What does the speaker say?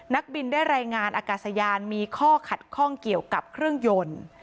นักบินได้รายงานอากาศยานมีข้อคัดคล่องเกี่ยวกับเงิน